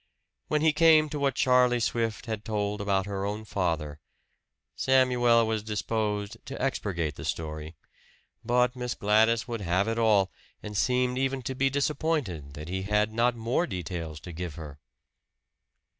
When he came to what Charlie Swift had told about her own father, Samuel was disposed to expurgate the story; but Miss Gladys would have it all, and seemed even to be disappointed that he had not more details to give her.